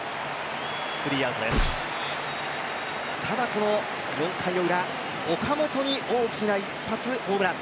この４回のウラ岡本に大きな一発ホームラン。